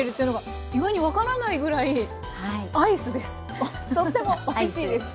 とってもおいしいです。